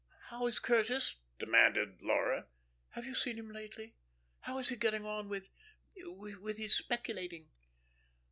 "How is Curtis?" demanded Laura. "Have you seen him lately? How is he getting on with with his speculating?"